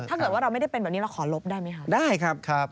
ถ้าเกิดว่าเราไม่ได้เป็นแบบนี้เราขอลบได้ไหมครับได้ครับ